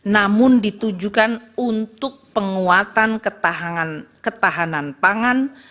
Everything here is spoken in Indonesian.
namun ditujukan untuk penguatan ketahanan pangan